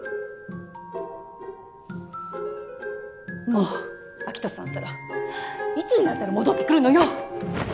もう明人さんったらいつになったら戻ってくるのよ！